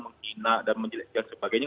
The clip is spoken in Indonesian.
mengkina dan menjelaskan sebagainya